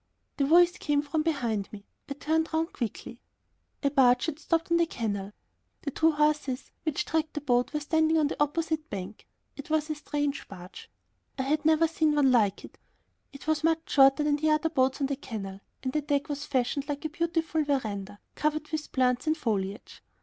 The voice came from behind me. I turned round quickly. A barge had stopped on the canal. The two horses which dragged the boat were standing on the opposite bank. It was a strange barge. I had never seen one like it. It was much shorter than the other boats on the canal, and the deck was fashioned like a beautiful veranda, covered with plants and foliage.